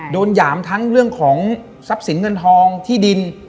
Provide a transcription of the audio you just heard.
หยามทั้งเรื่องของทรัพย์สินเงินทองที่ดิน